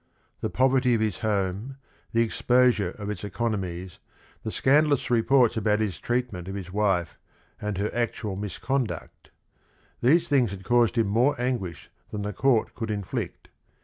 The poverty of his home, the exposure of its economies, the scandalous reports about his treatment of his wife and her actual misconduct; these things had caused him more anguish than the court could inflict.